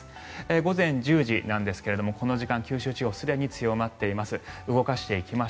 午前１０時なんですがこの時間、九州地方すでに強まっています。